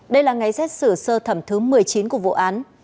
đây là ngày xét xử sơ thẩm thứ một mươi chín của vụ án